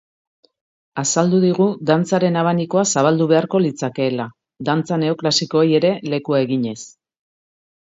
Azaldu digu dantzaren abanikoa zabaldu beharko litzakeela, dantza neoklasikoei ere lekua eginez.